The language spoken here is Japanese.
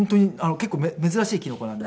結構珍しいキノコなので。